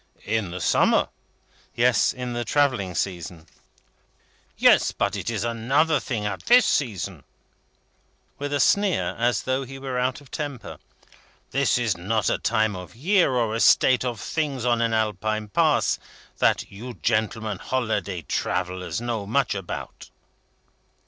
"In the summer?" "Yes; in the travelling season." "Yes; but it is another thing at this season;" with a sneer, as though he were out of temper. "This is not a time of year, or a state of things, on an Alpine Pass, that you gentlemen holiday travellers know much about."